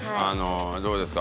どうですか？